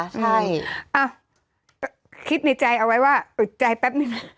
ใช่คิดในใจเอาไว้ว่าอึดใจแป๊บนึง